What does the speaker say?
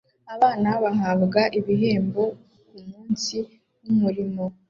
Abana bahabwa ibihembo kumunsi wumurima